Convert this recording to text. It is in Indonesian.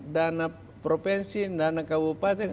dana provinsi dana kabupaten